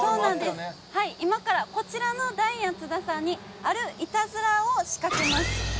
今からこちらのダイアン津田さんにあるイタズラを仕掛けます。